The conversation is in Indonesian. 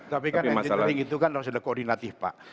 tapi kan engineering itu harus koordinatif pak